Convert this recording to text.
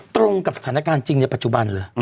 ตรงกับสถานการณ์จริงในปัจจุบันเลย